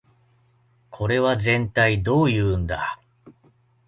これはぜんたいどういうんだ